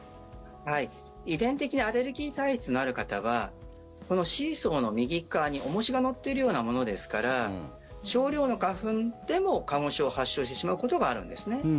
遺伝的にアレルギー体質のある方はこのシーソーの右側に、重しが載っているようなものですから少量の花粉でも花粉症を発症してしまうことがあるんですね。